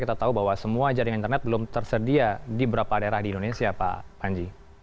kita tahu bahwa semua jaringan internet belum tersedia di berapa daerah di indonesia pak panji